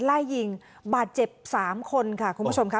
ไล่ยิงบาดเจ็บ๓คนค่ะคุณผู้ชมค่ะ